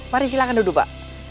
mari silahkan duduk pak